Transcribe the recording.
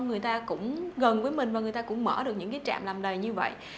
người ta cũng gần với mình và người ta cũng mở được những cái trạm làm đầy như vậy